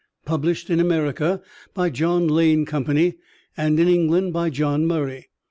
Published in America by John Lane Company, and in England by John Murray.